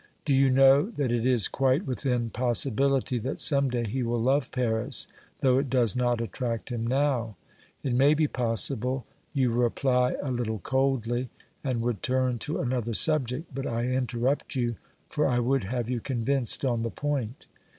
Do you know that it is quite within possibility that some day he will love Paris though it does not attract him now ? It may be possible, you reply a little coldly, and would turn to another subject, but I interrupt you, for I would have you convinced on the point.